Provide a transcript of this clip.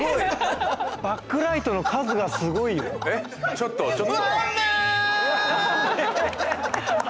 ちょっとちょっと。